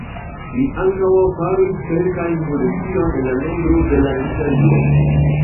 Li ankaŭ faris kelkajn modifojn en la nombro de la ensemblo.